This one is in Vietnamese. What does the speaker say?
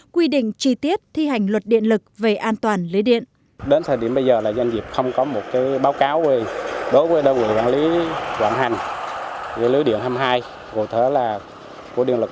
quy định chi tiết thi hành luật điện lực về an toàn lưới điện